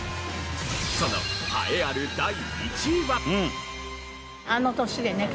その栄えある第１位は。